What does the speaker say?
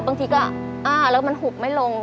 บางทีก็อ้าแล้วมันหุบไม่ลง